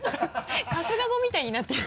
春日語みたいになってる。